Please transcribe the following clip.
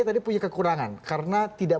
tadi punya kekurangan karena tidak